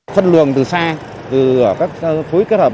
phân luồng từ xa từ các khối kết hợp